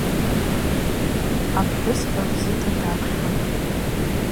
Апхӏвыспа бзита дапхьун.